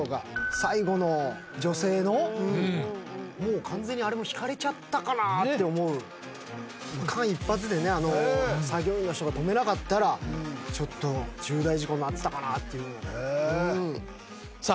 最後の女性のもう完全にあれもひかれちゃったかなって思う間一髪でねあの作業員の人が止めなかったらちょっと重大事故になってたかなっていうのさあ